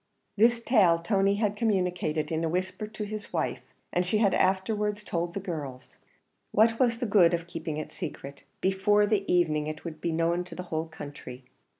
This tale Tony had communicated in a whisper to his wife, and she had afterwards told the girls. What was the good of keeping it secret? before the evening it would be known to the whole country.